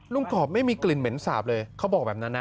กรอบไม่มีกลิ่นเหม็นสาบเลยเขาบอกแบบนั้นนะ